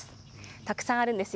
たくさんあるんですよ。